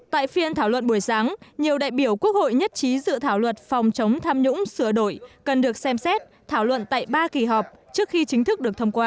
tại phiên thảo luận buổi sáng nhiều đại biểu quốc hội nhất trí dự thảo luật phòng chống tham nhũng sửa đổi cần được xem xét thảo luận tại ba kỳ họp trước khi chính thức được thông qua